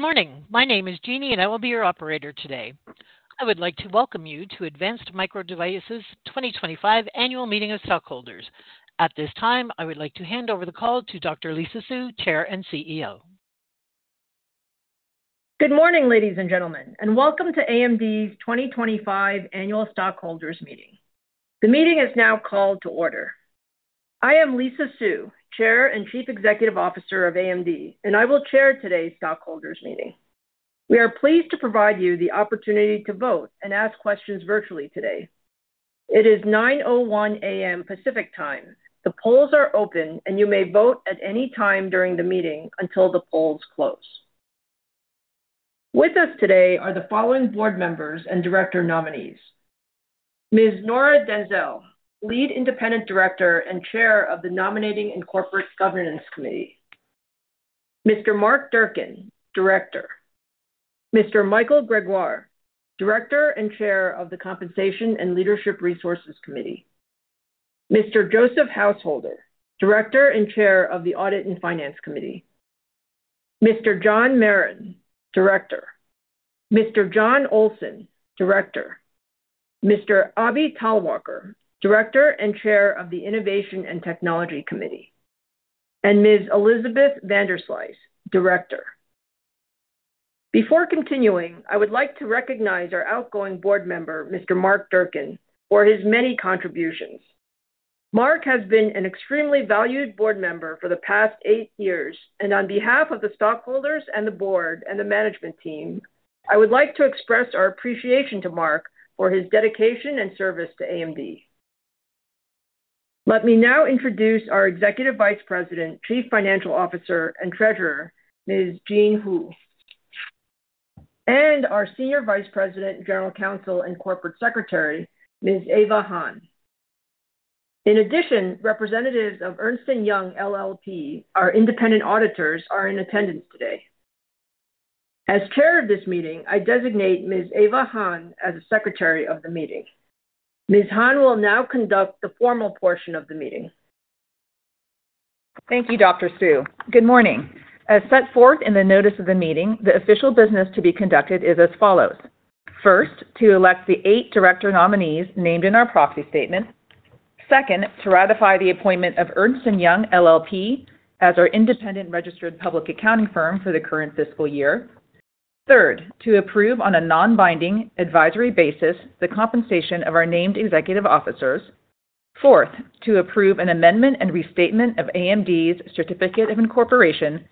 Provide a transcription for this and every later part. Good morning. My name is Jeannie, and I will be your operator today. I would like to welcome you to Advanced Micro Devices' 2025 Annual Meeting of Stockholders. At this time, I would like to hand over the call to Dr. Lisa Su, Chair and CEO. Good morning, ladies and gentlemen, and welcome to AMD's 2025 Annual Stockholders' Meeting. The meeting is now called to order. I am Lisa Su, Chair and Chief Executive Officer of AMD, and I will chair today's Stockholders' Meeting. We are pleased to provide you the opportunity to vote and ask questions virtually today. It is 9:01 A.M. Pacific Time. The polls are open, and you may vote at any time during the meeting until the polls close. With us today are the following board members and director nominees: Ms. Nora Denzel, Lead Independent Director and Chair of the Nominating and Corporate Governance Committee; Mr. Mark Durkan, Director; Mr. Michael Gregoire, Director and Chair of the Compensation and Leadership Resources Committee; Mr. Joseph Householder, Director and Chair of the Audit and Finance Committee; Mr. John Marin, Director; Mr. John Olson, Director; Mr. Abhi Talwalkar, Director and Chair of the Innovation and Technology Committee, and Ms. Elizabeth Vanderslice, Director. Before continuing, I would like to recognize our outgoing board member, Mr. Mark Durkan, for his many contributions. Mark has been an extremely valued board member for the past eight years, and on behalf of the stockholders, the board, and the management team, I would like to express our appreciation to Mark for his dedication and service to AMD. Let me now introduce our Executive Vice President, Chief Financial Officer, and Treasurer, Ms. Jean Hu, and our Senior Vice President, General Counsel, and Corporate Secretary, Ms. Ava Hahn. In addition, representatives of Ernst & Young LLP, our independent auditors, are in attendance today. As Chair of this meeting, I designate Ms. Ava Hahn as Secretary of the meeting. Ms. Han will now conduct the formal portion of the meeting. Thank you, Dr. Su. Good morning. As set forth in the notice of the meeting, the official business to be conducted is as follows: First, to elect the eight director nominees named in our proxy statement. Second, to ratify the appointment of Ernst & Young LLP as our independent registered public accounting firm for the current fiscal year. Third, to approve on a non-binding advisory basis the compensation of our named executive officers. Fourth, to approve an amendment and restatement of AMD's certificate of incorporation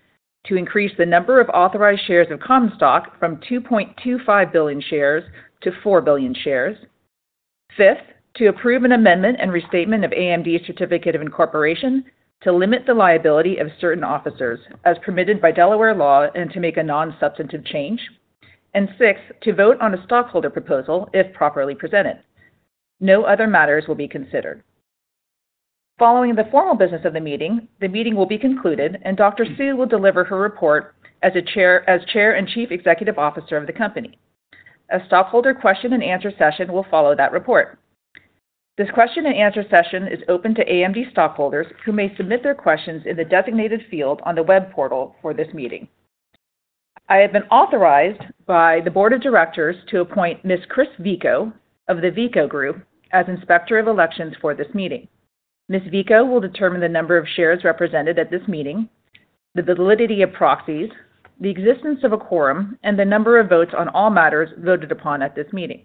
to increase the number of authorized shares of Comstock from 2.25 billion shares to 4 billion shares. Fifth, to approve an amendment and restatement of AMD's certificate of incorporation to limit the liability of certain officers as permitted by Delaware law and to make a non-substantive change. Sixth, to vote on a stockholder proposal if properly presented. No other matters will be considered. Following the formal business of the meeting, the meeting will be concluded, and Dr. Su will deliver her report as Chair and Chief Executive Officer of the company. A stockholder question and answer session will follow that report. This question and answer session is open to AMD stockholders who may submit their questions in the designated field on the web portal for this meeting. I have been authorized by the Board of Directors to appoint Ms. Chris Vico of the Vico Group as Inspector of Elections for this meeting. Ms. Vico will determine the number of shares represented at this meeting, the validity of proxies, the existence of a quorum, and the number of votes on all matters voted upon at this meeting.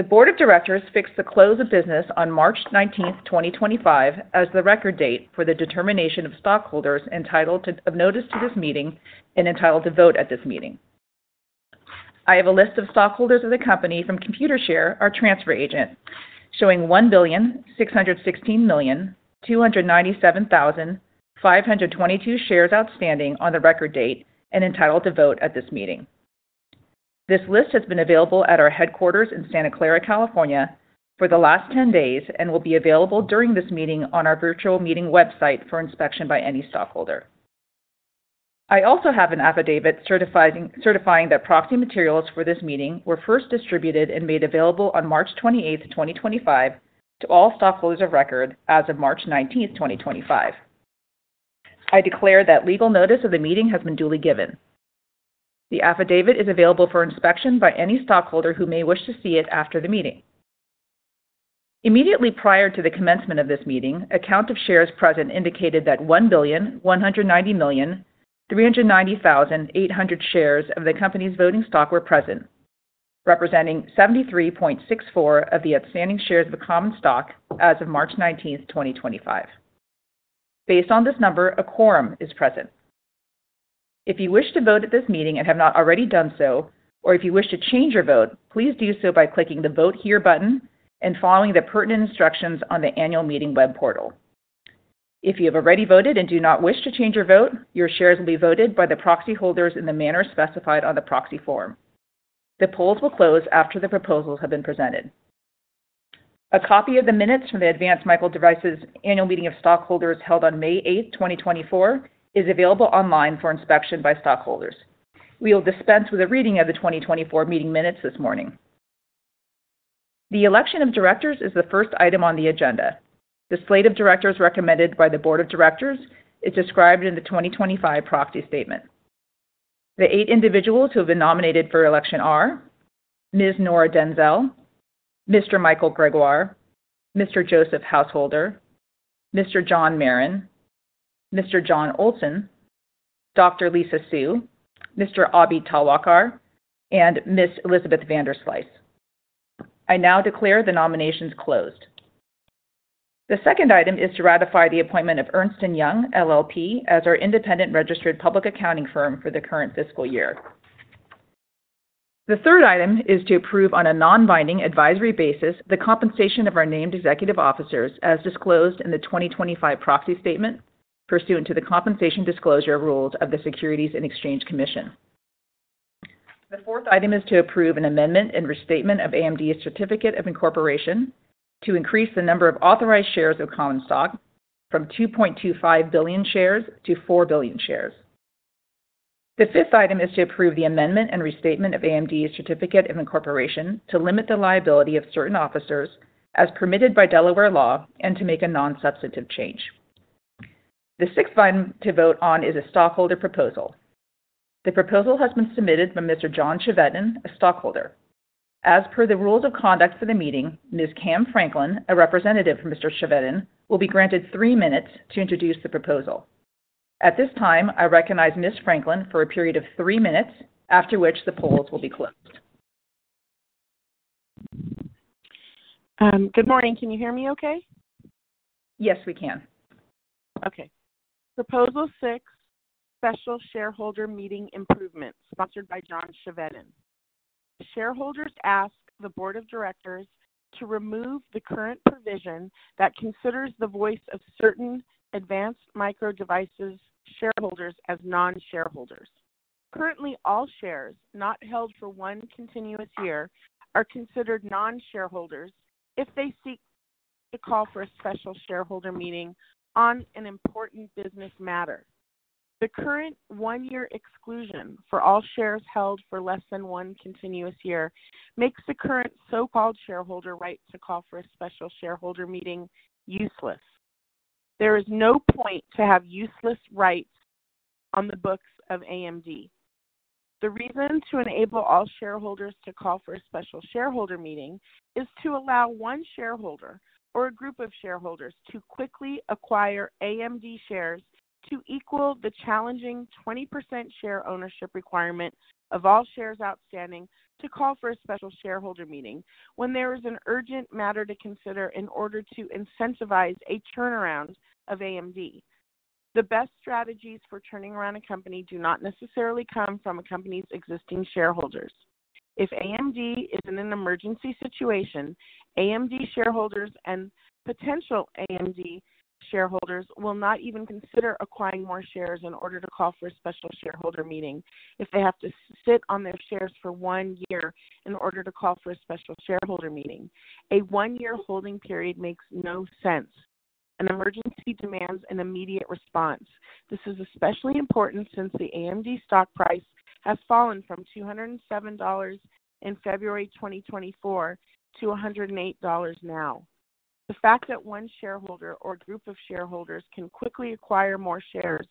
The Board of Directors fixed the close of business on March 19th, 2025, as the record date for the determination of stockholders entitled to notice to this meeting and entitled to vote at this meeting. I have a list of stockholders of the company from ComputerShare, our transfer agent, showing 1,616,297,522 shares outstanding on the record date and entitled to vote at this meeting. This list has been available at our headquarters in Santa Clara, California, for the last 10 days and will be available during this meeting on our virtual meeting website for inspection by any stockholder. I also have an affidavit certifying that proxy materials for this meeting were first distributed and made available on March 28, 2025, to all stockholders of record as of March 19th, 2025. I declare that legal notice of the meeting has been duly given. The affidavit is available for inspection by any stockholder who may wish to see it after the meeting. Immediately prior to the commencement of this meeting, a count of shares present indicated that 1,190,390,800 shares of the company's voting stock were present, representing 73.64% of the outstanding shares of Advanced Micro Devices as of March 19th, 2025. Based on this number, a quorum is present. If you wish to vote at this meeting and have not already done so, or if you wish to change your vote, please do so by clicking the Vote Here button and following the pertinent instructions on the annual meeting web portal. If you have already voted and do not wish to change your vote, your shares will be voted by the proxy holders in the manner specified on the proxy form. The polls will close after the proposals have been presented. A copy of the minutes from the Advanced Micro Devices annual meeting of stockholders held on May 8, 2024, is available online for inspection by stockholders. We will dispense with a reading of the 2024 meeting minutes this morning. The election of directors is the first item on the agenda. The slate of directors recommended by the Board of Directors is described in the 2025 proxy statement. The eight individuals who have been nominated for election are Ms. Nora Denzel, Mr. Michael Gregoire, Mr. Joseph Householder, Mr. John Marin, Mr. John Olson, Dr. Lisa Su, Mr. Abhi Talwalkar, and Ms. Elizabeth Vanderslice. I now declare the nominations closed. The second item is to ratify the appointment of Ernst & Young LLP as our independent registered public accounting firm for the current fiscal year. The third item is to approve on a non-binding advisory basis the compensation of our named executive officers as disclosed in the 2025 proxy statement pursuant to the compensation disclosure rules of the U.S. Securities and Exchange Commission. The fourth item is to approve an amendment and restatement of AMD's certificate of incorporation to increase the number of authorized shares of common stock from 2.25 billion shares to 4 billion shares. The fifth item is to approve the amendment and restatement of AMD's certificate of incorporation to limit the liability of certain officers as permitted by Delaware law and to make a non-substantive change. The sixth item to vote on is a stockholder proposal. The proposal has been submitted by Mr. John Chevedden, a stockholder. As per the rules of conduct for the meeting, Ms. Cam Franklin, a representative for Mr. Chevedden, will be granted three minutes to introduce the proposal. At this time, I recognize Ms. Franklin for a period of three minutes, after which the polls will be closed. Good morning. Can you hear me okay? Yes, we can. Okay. Proposal Six, Special Shareholder Meeting Improvements, sponsored by John Chevedden. Shareholders ask the Board of Directors to remove the current provision that considers the voice of certain Advanced Micro Devices shareholders as non-shareholders. Currently, all shares not held for one continuous year are considered non-shareholders if they seek to call for a special shareholder meeting on an important business matter. The current one-year exclusion for all shares held for less than one continuous year makes the current so-called shareholder right to call for a special shareholder meeting useless. There is no point to have useless rights on the books of AMD. The reason to enable all shareholders to call for a special shareholder meeting is to allow one shareholder or a group of shareholders to quickly acquire AMD shares to equal the challenging 20% share ownership requirement of all shares outstanding to call for a special shareholder meeting when there is an urgent matter to consider in order to incentivize a turnaround of AMD. The best strategies for turning around a company do not necessarily come from a company's existing shareholders. If AMD is in an emergency situation, AMD shareholders and potential AMD shareholders will not even consider acquiring more shares in order to call for a special shareholder meeting if they have to sit on their shares for one year in order to call for a special shareholder meeting. A one-year holding period makes no sense. An emergency demands an immediate response. This is especially important since the AMD stock price has fallen from $207 in February 2024 to $108 now. The fact that one shareholder or group of shareholders can quickly acquire more shares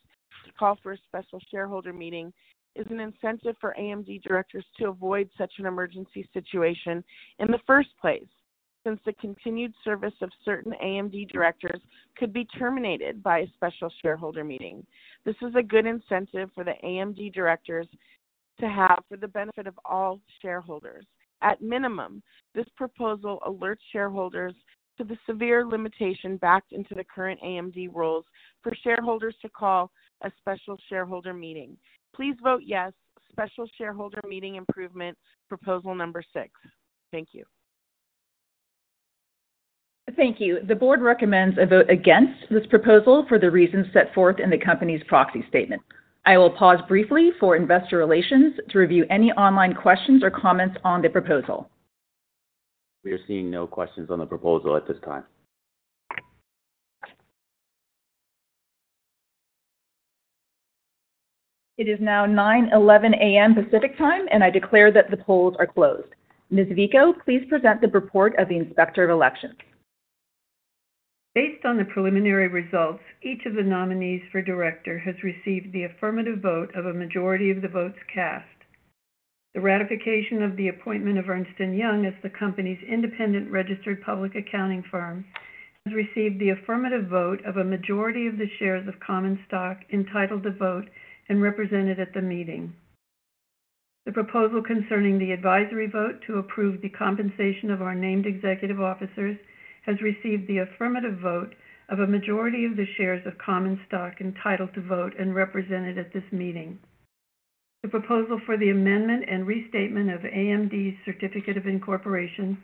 to call for a special shareholder meeting is an incentive for AMD directors to avoid such an emergency situation in the first place since the continued service of certain AMD directors could be terminated by a special shareholder meeting. This is a good incentive for the AMD directors to have for the benefit of all shareholders. At minimum, this proposal alerts shareholders to the severe limitation backed into the current AMD rules for shareholders to call a special shareholder meeting. Please vote yes, Special Shareholder Meeting Improvement, Proposal Number Six. Thank you. Thank you. The board recommends a vote against this proposal for the reasons set forth in the company's proxy statement. I will pause briefly for investor relations to review any online questions or comments on the proposal. We are seeing no questions on the proposal at this time. It is now 9:11 A.M. Pacific Time, and I declare that the polls are closed. Ms. Vico, please present the report of the inspector of elections. Based on the preliminary results, each of the nominees for director has received the affirmative vote of a majority of the votes cast. The ratification of the appointment of Ernst & Young LLP as the company's independent registered public accounting firm has received the affirmative vote of a majority of the shares of AMD entitled to vote and represented at the meeting. The proposal concerning the advisory vote to approve the compensation of our named executive officers has received the affirmative vote of a majority of the shares of AMD entitled to vote and represented at this meeting. The proposal for the amendment and restatement of AMD's certificate of incorporation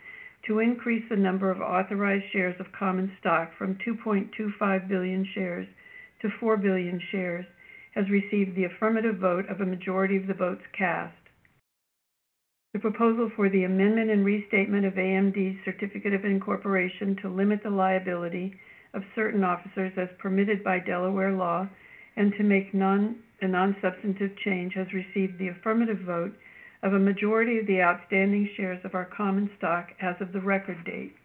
to increase the number of authorized shares of AMD from 2.25 billion shares to 4 billion shares has received the affirmative vote of a majority of the votes cast. The proposal for the amendment and restatement of AMD's certificate of incorporation to limit the liability of certain officers as permitted by Delaware law and to make a non-substantive change has received the affirmative vote of a majority of the outstanding shares of our common stock as of the record date.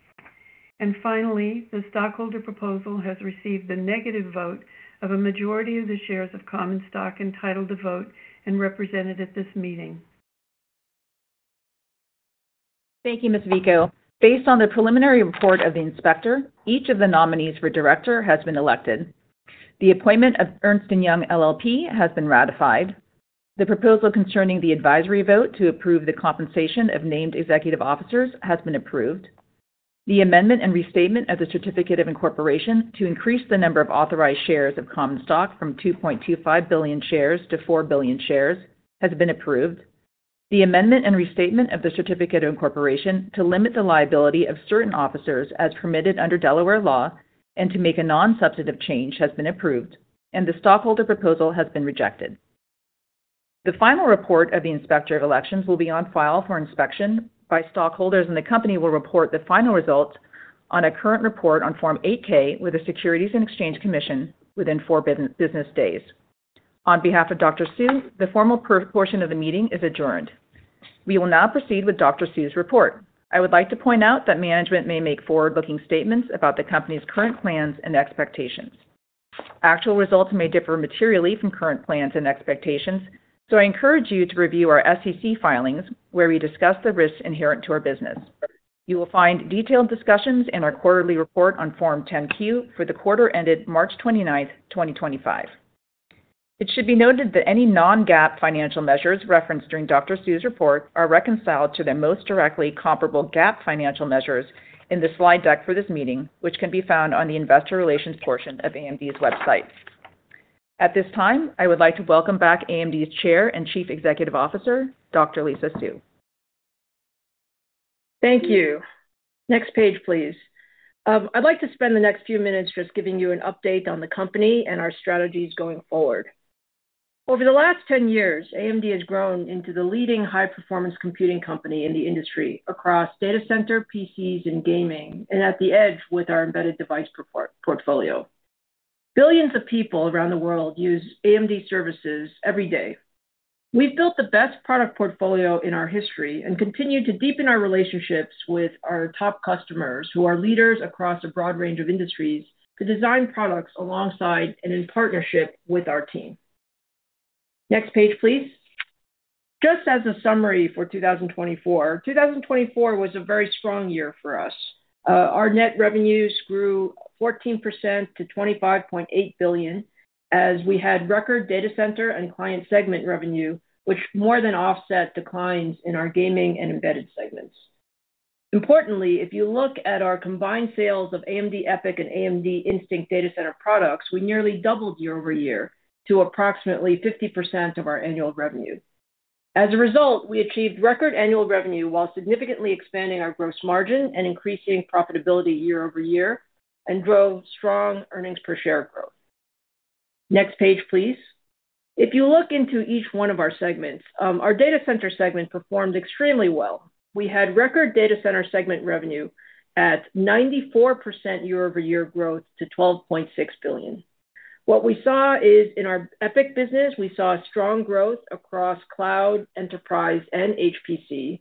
Finally, the stockholder proposal has received the negative vote of a majority of the shares of common stock entitled to vote and represented at this meeting. Thank you, Ms. Vico. Based on the preliminary report of the inspector, each of the nominees for director has been elected. The appointment of Ernst & Young LLP has been ratified. The proposal concerning the advisory vote to approve the compensation of named executive officers has been approved. The amendment and restatement of the certificate of incorporation to increase the number of authorized shares of Comstock from 2.25 billion shares to 4 billion shares has been approved. The amendment and restatement of the certificate of incorporation to limit the liability of certain officers as permitted under Delaware law and to make a non-substantive change has been approved, and the stockholder proposal has been rejected. The final report of the inspector of elections will be on file for inspection by stockholders, and the company will report the final results on a current report on Form 8K with the Securities and Exchange Commission within four business days. On behalf of Dr. Su, the formal portion of the meeting is adjourned. We will now proceed with Dr. Su's report. I would like to point out that management may make forward-looking statements about the company's current plans and expectations. Actual results may differ materially from current plans and expectations, so I encourage you to review our SEC filings where we discuss the risks inherent to our business. You will find detailed discussions in our quarterly report on Form 10Q for the quarter ended March 29th, 2025. It should be noted that any non-GAAP financial measures referenced during Dr. Su's report are reconciled to their most directly comparable GAAP financial measures in the slide deck for this meeting, which can be found on the investor relations portion of AMD's website. At this time, I would like to welcome back AMD's Chair and Chief Executive Officer, Dr. Lisa Su. Thank you. Next page, please. I'd like to spend the next few minutes just giving you an update on the company and our strategies going forward. Over the last 10 years, AMD has grown into the leading high-performance computing company in the industry across data center, PCs, and gaming, and at the edge with our embedded device portfolio. Billions of people around the world use AMD services every day. We've built the best product portfolio in our history and continue to deepen our relationships with our top customers, who are leaders across a broad range of industries, to design products alongside and in partnership with our team. Next page, please. Just as a summary for 2024, 2024 was a very strong year for us. Our net revenues grew 14% to $25.8 billion as we had record data center and client segment revenue, which more than offset declines in our gaming and embedded segments. Importantly, if you look at our combined sales of AMD EPYC and AMD Instinct data center products, we nearly doubled year-over-year to approximately 50% of our annual revenue. As a result, we achieved record annual revenue while significantly expanding our gross margin and increasing profitability year-over-year and drove strong earnings per share growth. Next page, please. If you look into each one of our segments, our data center segment performed extremely well. We had record data center segment revenue at 94% year-over-year growth to $12.6 billion. What we saw is in our EPYC business, we saw strong growth across cloud, enterprise, and HPC.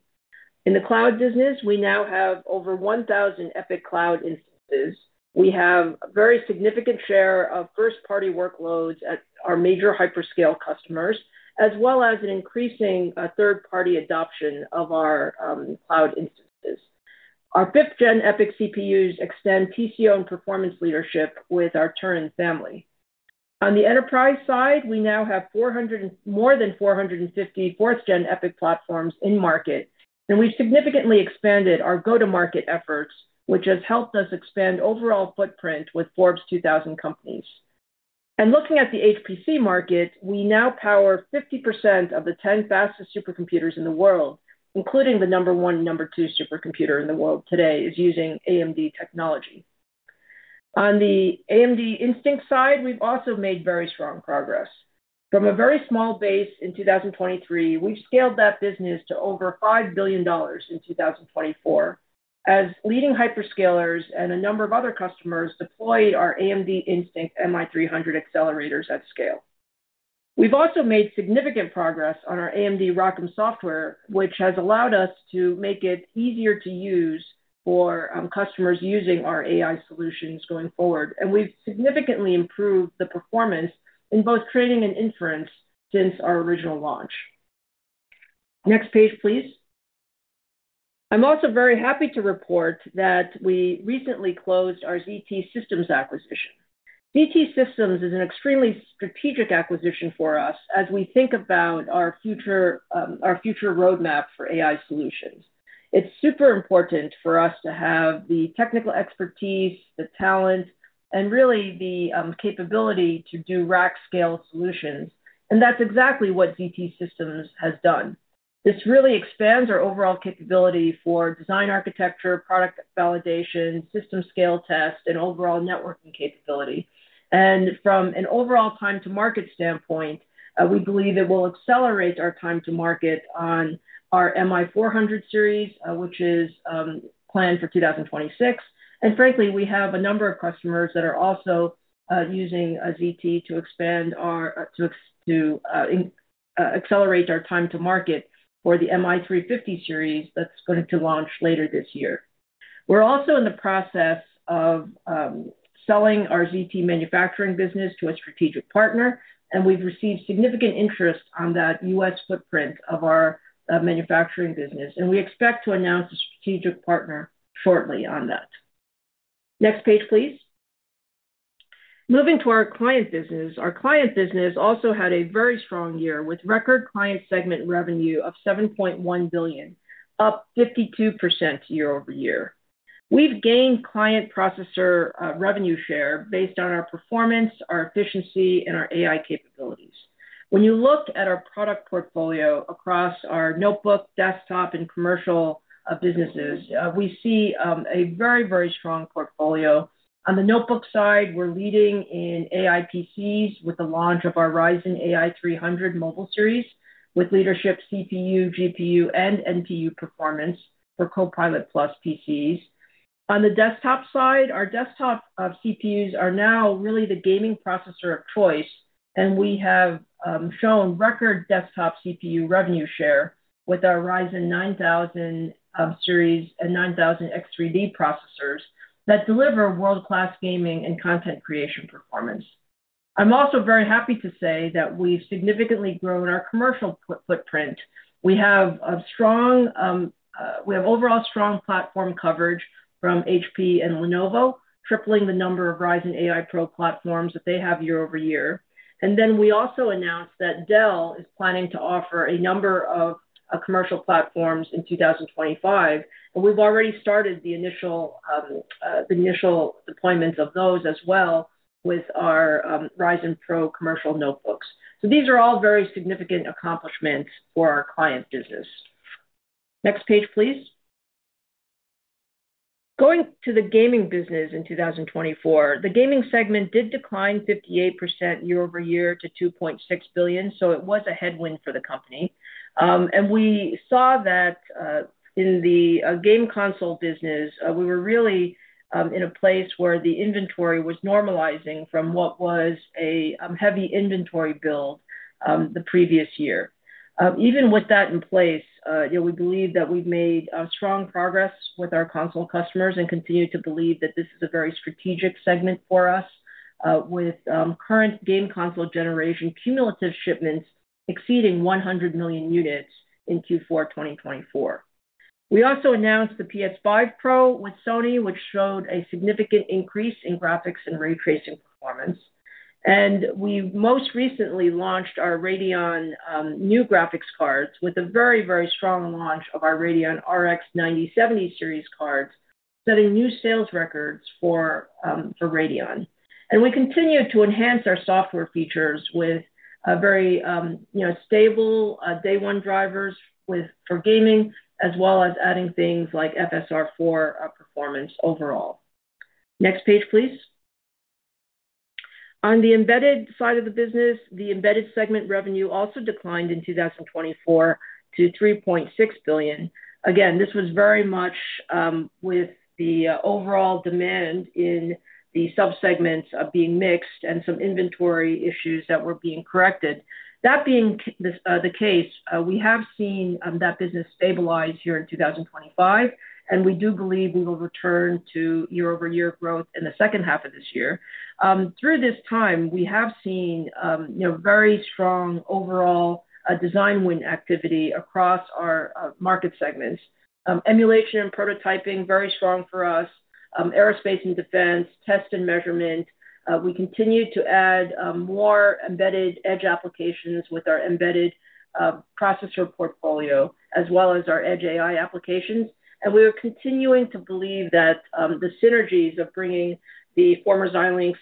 In the cloud business, we now have over 1,000 EPYC cloud instances. We have a very significant share of first-party workloads at our major hyperscale customers, as well as an increasing third-party adoption of our cloud instances. Our 5th-gen EPYC CPUs extend TCO and performance leadership with our Turin family. On the enterprise side, we now have more than 450 4th-gen EPYC platforms in market, and we have significantly expanded our go-to-market efforts, which has helped us expand overall footprint with Forbes 2000 companies. Looking at the HPC market, we now power 50% of the 10 fastest supercomputers in the world, including the number one and number two supercomputer in the world today, which is using AMD technology. On the AMD Instinct side, we have also made very strong progress. From a very small base in 2023, we have scaled that business to over $5 billion in 2024 as leading hyperscalers and a number of other customers deployed our AMD Instinct MI300 accelerators at scale. We've also made significant progress on our AMD ROCm software, which has allowed us to make it easier to use for customers using our AI solutions going forward, and we've significantly improved the performance in both training and inference since our original launch. Next page, please. I'm also very happy to report that we recently closed our ZT Systems acquisition. ZT Systems is an extremely strategic acquisition for us as we think about our future roadmap for AI solutions. It's super important for us to have the technical expertise, the talent, and really the capability to do rack-scale solutions, and that's exactly what ZT Systems has done. This really expands our overall capability for design architecture, product validation, system scale test, and overall networking capability. From an overall time-to-market standpoint, we believe it will accelerate our time-to-market on our MI400 series, which is planned for 2026. Frankly, we have a number of customers that are also using ZT to accelerate our time-to-market for the MI350 series that's going to launch later this year. We're also in the process of selling our ZT manufacturing business to a strategic partner, and we've received significant interest on that U.S. footprint of our manufacturing business, and we expect to announce a strategic partner shortly on that. Next page, please. Moving to our client business, our client business also had a very strong year with record client segment revenue of $7.1 billion, up 52% year-over-year. We've gained client processor revenue share based on our performance, our efficiency, and our AI capabilities. When you look at our product portfolio across our notebook, desktop, and commercial businesses, we see a very, very strong portfolio. On the notebook side, we're leading in AI PCs with the launch of our Ryzen AI 300 mobile series with leadership CPU, GPU, and NPU performance for Copilot+ PCs. On the desktop side, our desktop CPUs are now really the gaming processor of choice, and we have shown record desktop CPU revenue share with our Ryzen 9000 series and 9000 X3D processors that deliver world-class gaming and content creation performance. I'm also very happy to say that we've significantly grown our commercial footprint. We have overall strong platform coverage from HP and Lenovo, tripling the number of Ryzen AI Pro platforms that they have year-over-year. We also announced that Dell is planning to offer a number of commercial platforms in 2025, and we've already started the initial deployments of those as well with our Ryzen Pro commercial notebooks. These are all very significant accomplishments for our client business. Next page, please. Going to the gaming business in 2024, the gaming segment did decline 58% year-over-year to $2.6 billion, so it was a headwind for the company. We saw that in the game console business, we were really in a place where the inventory was normalizing from what was a heavy inventory build the previous year. Even with that in place, we believe that we've made strong progress with our console customers and continue to believe that this is a very strategic segment for us with current game console generation cumulative shipments exceeding 100 million units in Q4 2024. We also announced the PS5 Pro with Sony, which showed a significant increase in graphics and ray tracing performance. We most recently launched our Radeon new graphics cards with a very, very strong launch of our Radeon RX 9070 series cards, setting new sales records for Radeon. We continue to enhance our software features with very stable day-one drivers for gaming, as well as adding things like FSR 4 performance overall. Next page, please. On the embedded side of the business, the embedded segment revenue also declined in 2024 to $3.6 billion. This was very much with the overall demand in the subsegments being mixed and some inventory issues that were being corrected. That being the case, we have seen that business stabilize here in 2025, and we do believe we will return to year-over-year growth in the second half of this year. Through this time, we have seen very strong overall design win activity across our market segments. Emulation and prototyping, very strong for us. Aerospace and defense, test and measurement. We continue to add more embedded edge applications with our embedded processor portfolio, as well as our edge AI applications. We are continuing to believe that the synergies of bringing the former Xilinx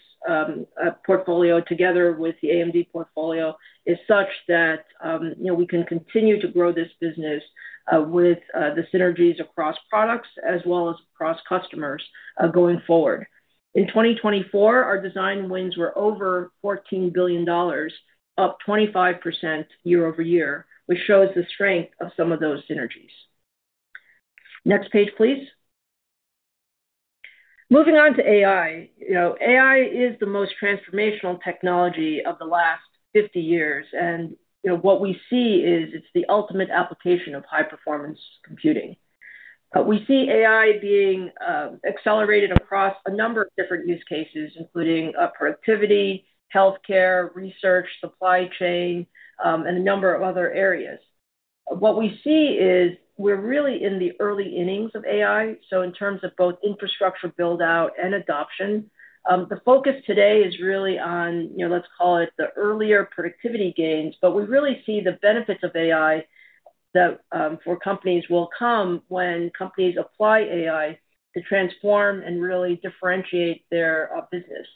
portfolio together with the AMD portfolio is such that we can continue to grow this business with the synergies across products as well as across customers going forward. In 2024, our design wins were over $14 billion, up 25% year-over-year, which shows the strength of some of those synergies. Next page, please. Moving on to AI. AI is the most transformational technology of the last 50 years, and what we see is it's the ultimate application of high-performance computing. We see AI being accelerated across a number of different use cases, including productivity, healthcare, research, supply chain, and a number of other areas. What we see is we're really in the early innings of AI, so in terms of both infrastructure build-out and adoption. The focus today is really on, let's call it, the earlier productivity gains, but we really see the benefits of AI for companies will come when companies apply AI to transform and really differentiate their business.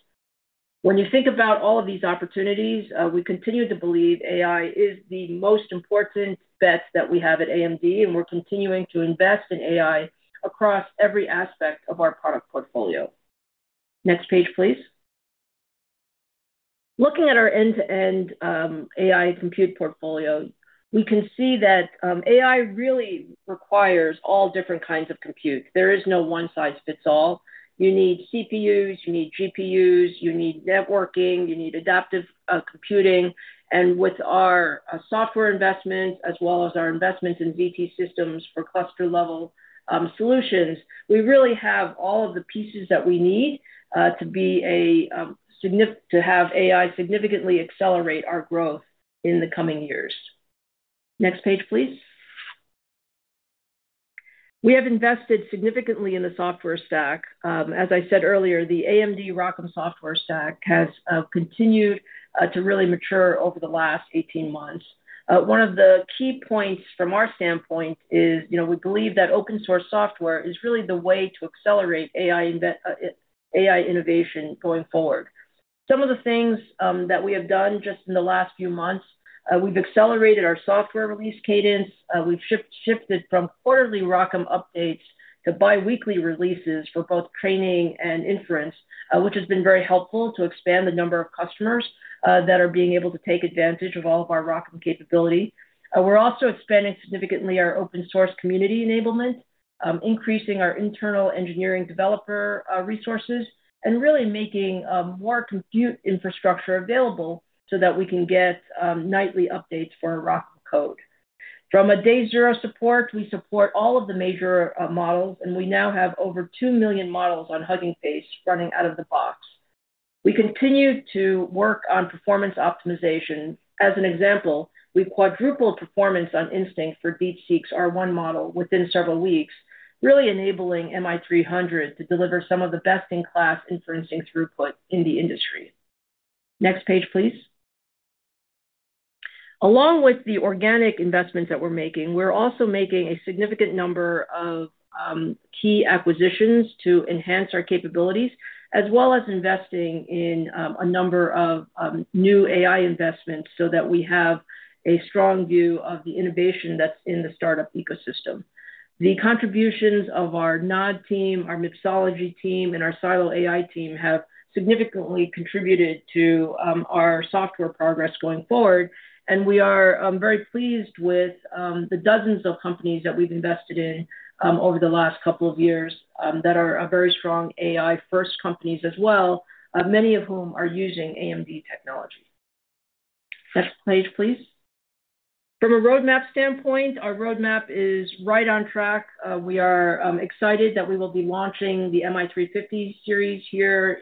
When you think about all of these opportunities, we continue to believe AI is the most important bet that we have at AMD, and we're continuing to invest in AI across every aspect of our product portfolio. Next page, please. Looking at our end-to-end AI compute portfolio, we can see that AI really requires all different kinds of compute. There is no one-size-fits-all. You need CPUs, you need GPUs, you need networking, you need adaptive computing. With our software investments, as well as our investments in ZT Systems for cluster-level solutions, we really have all of the pieces that we need to have AI significantly accelerate our growth in the coming years. Next page, please. We have invested significantly in the software stack. As I said earlier, the AMD ROCm software stack has continued to really mature over the last 18 months. One of the key points from our standpoint is we believe that open-source software is really the way to accelerate AI innovation going forward. Some of the things that we have done just in the last few months, we've accelerated our software release cadence. We've shifted from quarterly ROCm updates to biweekly releases for both training and inference, which has been very helpful to expand the number of customers that are being able to take advantage of all of our ROCm capability. We're also expanding significantly our open-source community enablement, increasing our internal engineering developer resources, and really making more compute infrastructure available so that we can get nightly updates for our ROCm code. From a day-zero support, we support all of the major models, and we now have over 2 million models on Hugging Face running out of the box. We continue to work on performance optimization. As an example, we quadrupled performance on Instinct for DeepSeek's R1 model within several weeks, really enabling MI300 to deliver some of the best-in-class inferencing throughput in the industry. Next page, please. Along with the organic investments that we're making, we're also making a significant number of key acquisitions to enhance our capabilities, as well as investing in a number of new AI investments so that we have a strong view of the innovation that's in the startup ecosystem. The contributions of our NOD team, our mixology team, and our Silo AI team have significantly contributed to our software progress going forward, and we are very pleased with the doze ell, many of whom are using AMD technology. Next page, please. From a roadmap standpoint, our roadmap is right on track. We are excited that we will be launching the MI350 series here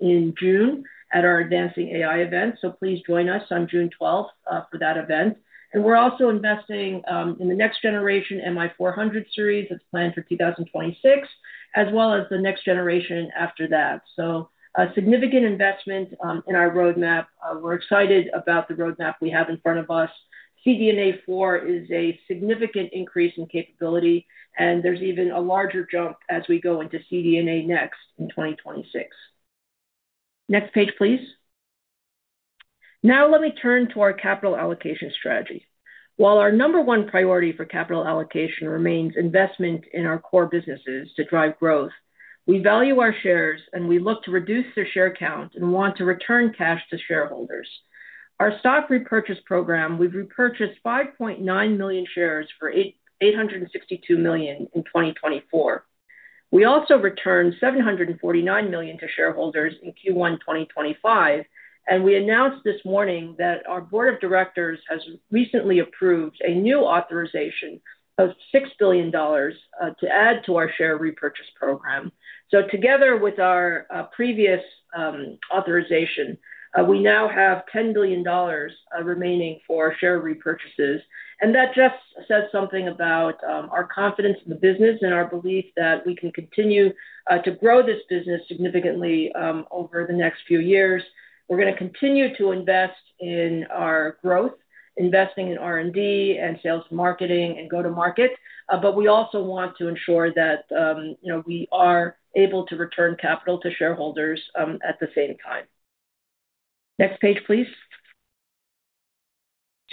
in June at our Advancing AI event, so please join us on June 12th for that event. We are also investing in the next-generation MI400 series that's planned for 2026, as well as the next generation after that. A significant investment in our roadmap. We're excited about the roadmap we have in front of us. CDNA4 is a significant increase in capability, and there's even a larger jump as we go into CDNA next in 2026. Next page, please. Now let me turn to our capital allocation strategy. While our number one priority for capital allocation remains investment in our core businesses to drive growth, we value our shares, and we look to reduce the share count and want to return cash to shareholders. Our stock repurchase program, we've repurchased 5.9 million shares for $862 million in 2024. We also returned $749 million to shareholders in Q1 2025, and we announced this morning that our board of directors has recently approved a new authorization of $6 billion to add to our share repurchase program. Together with our previous authorization, we now have $10 billion remaining for share repurchases, and that just says something about our confidence in the business and our belief that we can continue to grow this business significantly over the next few years. We're going to continue to invest in our growth, investing in R&D and sales and marketing and go-to-market, but we also want to ensure that we are able to return capital to shareholders at the same time. Next page, please.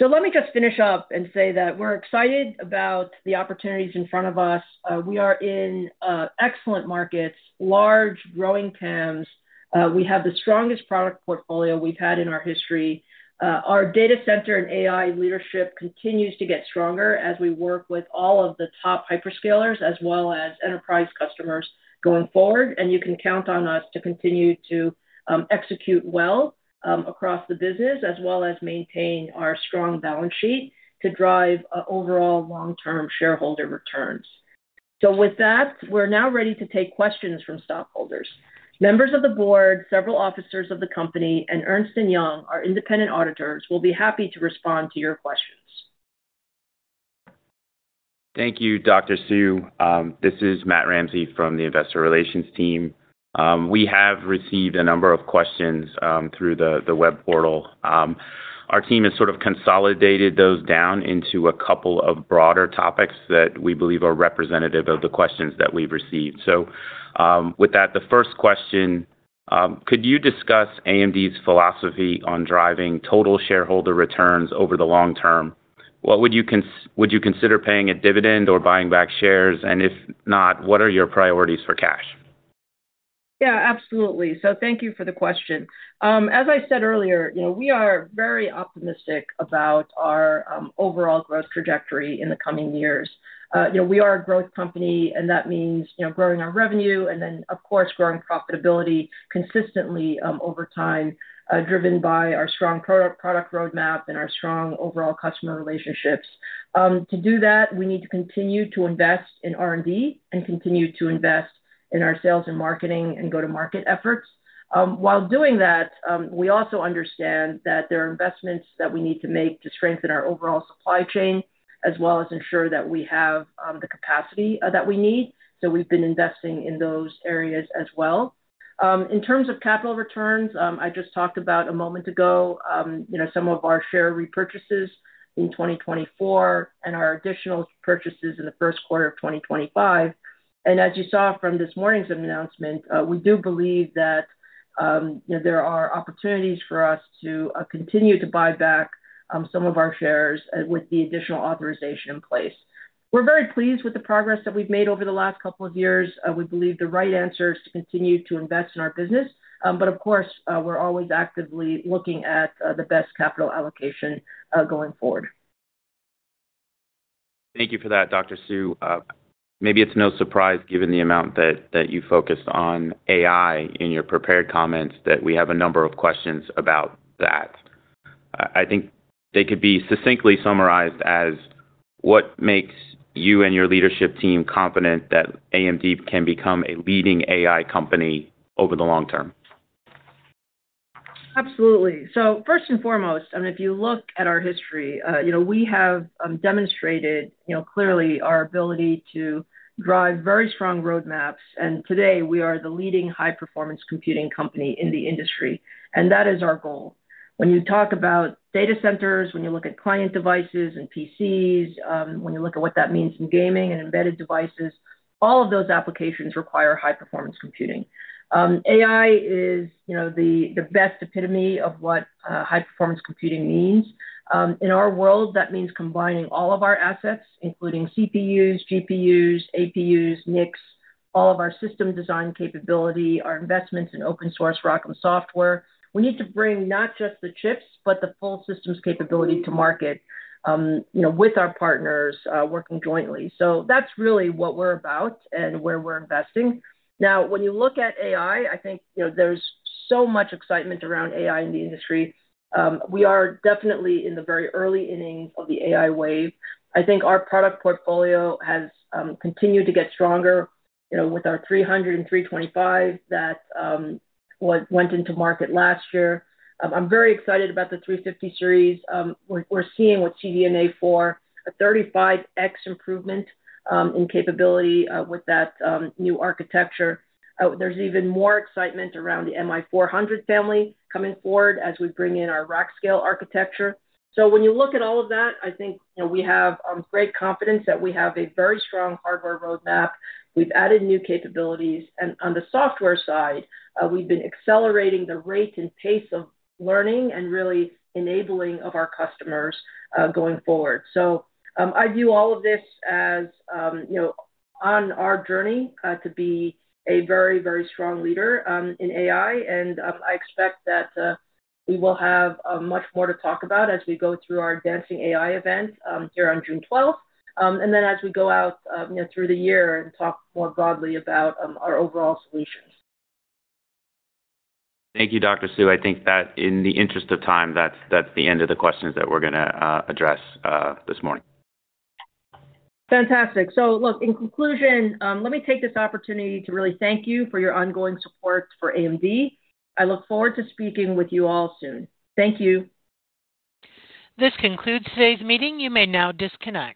Let me just finish up and say that we're excited about the opportunities in front of us. We are in excellent markets, large growing TAMs. We have the strongest product portfolio we've had in our history. Our data center and AI leadership continues to get stronger as we work with all of the top hyperscalers as well as enterprise customers going forward, and you can count on us to continue to execute well across the business as well as maintain our strong balance sheet to drive overall long-term shareholder returns. With that, we're now ready to take questions from stockholders. Members of the board, several officers of the company, and Ernst & Young LLP, our independent auditors, will be happy to respond to your questions. Thank you, Dr. Su. This is Matt Ramsay from the investor relations team. We have received a number of questions through the web portal. Our team has sort of consolidated those down into a couple of broader topics that we believe are representative of the questions that we've received. With that, the first question, could you discuss AMD's philosophy on driving total shareholder returns over the long-term? Would you consider paying a dividend or buying back shares? If not, what are your priorities for cash? Yeah, absolutely. Thank you for the question. As I said earlier, we are very optimistic about our overall growth trajectory in the coming years. We are a growth company, and that means growing our revenue and then, of course, growing profitability consistently over time, driven by our strong product roadmap and our strong overall customer relationships. To do that, we need to continue to invest in R&D and continue to invest in our sales and marketing and go-to-market efforts. While doing that, we also understand that there are investments that we need to make to strengthen our overall supply chain as well as ensure that we have the capacity that we need. We have been investing in those areas as well. In terms of capital returns, I just talked about a moment ago some of our share repurchases in 2024 and our additional purchases in the first quarter of 2025. As you saw from this morning's announcement, we do believe that there are opportunities for us to continue to buy back some of our shares with the additional authorization in place. We are very pleased with the progress that we have made over the last couple of years. We believe the right answer is to continue to invest in our business, but of course, we are always actively looking at the best capital allocation going forward. Thank you for that, Dr. Maybe it's no surprise given the amount that you focused on AI in your prepared comments that we have a number of questions about that. I think they could be succinctly summarized as what makes you and your leadership team confident that AMD can become a leading AI company over the long-term? Absolutely. First and foremost, if you look at our history, we have demonstrated clearly our ability to drive very strong roadmaps, and today we are the leading high-performance computing company in the industry, and that is our goal. When you talk about data centers, when you look at client devices and PCs, when you look at what that means in gaming and embedded devices, all of those applications require high-performance computing. AI is the best epitome of what high-performance computing means. In our world, that means combining all of our assets, including CPUs, GPUs, APUs, NICs, all of our system design capability, our investments in open-source ROCm software. We need to bring not just the chips, but the full systems capability to market with our partners working jointly. That is really what we are about and where we are investing. Now, when you look at AI, I think there is so much excitement around AI in the industry. We are definitely in the very early innings of the AI wave. I think our product portfolio has continued to get stronger with our 300 and 325 that went into market last year. I am very excited about the 350 series. We are seeing with CDNA 4, a 35x improvement in capability with that new architecture. There is even more excitement around the MI400 family coming forward as we bring in our ROCscale architecture. When you look at all of that, I think we have great confidence that we have a very strong hardware roadmap. We've added new capabilities, and on the software side, we've been accelerating the rate and pace of learning and really enabling of our customers going forward. I view all of this as on our journey to be a very, very strong leader in AI, and I expect that we will have much more to talk about as we go through our Advancing AI event here on June 12th, and then as we go out through the year and talk more broadly about our overall solutions. Thank you, Dr. Su. I think that in the interest of time, that's the end of the questions that we're going to address this morning. Fantastic. In conclusion, let me take this opportunity to really thank you for your ongoing support for AMD. I look forward to speaking with you all soon. Thank you. This concludes today's meeting. You may now disconnect.